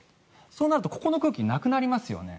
そうなるとここの空気、なくなりますよね。